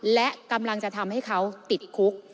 และกำลังจะทำให้เขาติดคุก